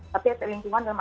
tapi ada lingkungan dalam atas